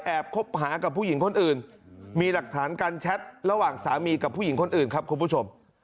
คบหากับผู้หญิงคนอื่นมีหลักฐานการแชทระหว่างสามีกับผู้หญิงคนอื่นครับคุณผู้ชม